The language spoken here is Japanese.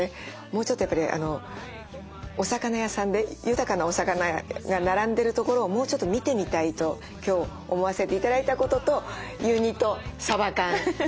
もうちょっとやっぱりお魚屋さんで豊かなお魚が並んでるところをもうちょっと見てみたいと今日思わせて頂いたことと湯煮とさば缶。